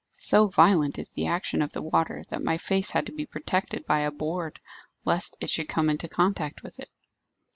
So violent is the action of the water that my face had to be protected by a board, lest it should come into contact with it."